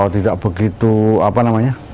tidak begitu apa namanya